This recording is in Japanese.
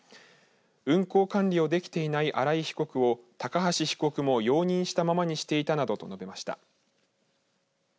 運行管理をできていない荒井被告を高橋被告も容認したままにしていたなどと述べました。